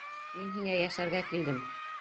Мин һиңә йәшәргә килдем!